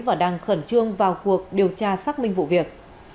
và đang khẩn trương vào cuộc điều tra xác minh vụ việc